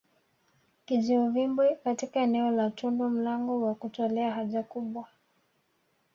Kijiuvimbe katika eneo la tundu mlango wa kutolea haja kubwa